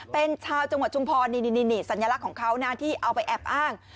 เป็นชาวจังหวัดชุมพรนี่สัญลักษณ์ของเขานะที่เอาไปแอบอ้าง